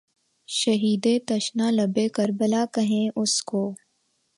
شہیدِ تشنہ لبِ کربلا کہیں اُس کو